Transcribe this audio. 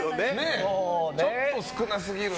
ちょっと少なすぎるね。